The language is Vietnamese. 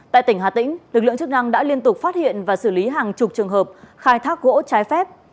tại tỉnh hà tĩnh lực lượng chức năng đã liên tục phát hiện và xử lý hàng chục trường hợp khai thác gỗ trái phép